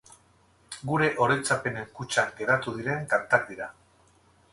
Gure oroitzapenen kutxan geratu diren kantak dira.